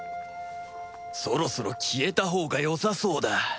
そろそろ消えたほうがよさそうだ